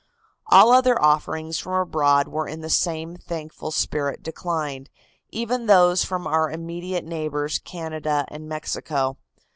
All other offerings from abroad were in the same thankful spirit declined, even those from our immediate neighbors, Canada and Mexico.